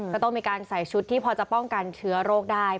ก็ต้องมีการใส่ชุดที่พอจะป้องกันเชื้อโรคได้